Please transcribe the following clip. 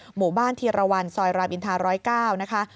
หมู่บ้านธีรวรรณซอยรามอินทรา๑๐๙นะคะ